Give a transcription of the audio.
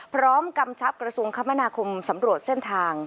กำชับกระทรวงคมนาคมสำรวจเส้นทาง